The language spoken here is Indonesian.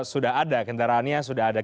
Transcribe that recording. sudah ada kendaraannya sudah ada